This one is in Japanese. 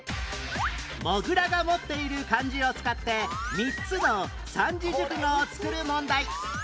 モグラが持っている漢字を使って３つの三字熟語を作る問題